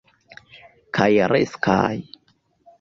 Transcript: Kaj riskaj.